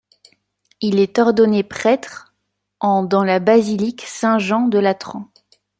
Il est ordonné prêtre en dans la basilique Saint-Jean-de-Latran.